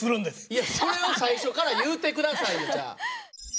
いやそれを最初から言うて下さいよじゃあ。